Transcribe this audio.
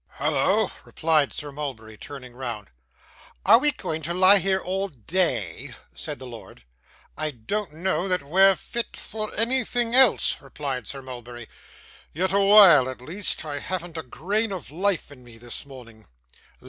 'Hallo!' replied Sir Mulberry, turning round. 'Are we going to lie here all da a y?' said the lord. 'I don't know that we're fit for anything else,' replied Sir Mulberry; 'yet awhile, at least. I haven't a grain of life in me this morning.